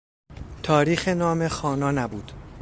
تاریخ نامه خوانا نبود.